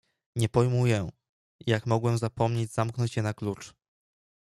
"Nie pojmuję, jak mogłem zapomnieć zamknąć je na klucz."